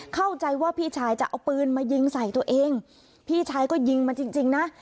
เข้าใจว่าพี่ชายจะเอาปืนมายิงใส่ตัวเองพี่ชายก็ยิงมาจริงจริงนะ